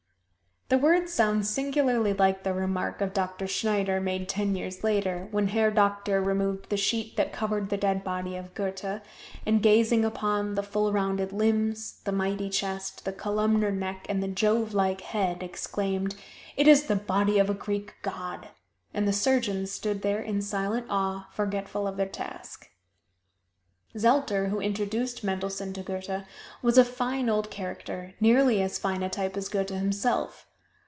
The words sound singularly like the remark of Doctor Schneider, made ten years later, when Herr Doctor removed the sheet that covered the dead body of Goethe, and gazing upon the full rounded limbs, the mighty chest, the columnar neck and the Jovelike head, exclaimed, "It is the body of a Greek god!" And the surgeons stood there in silent awe, forgetful of their task. Zelter, who introduced Mendelssohn to Goethe, was a fine old character, nearly as fine a type as Goethe himself.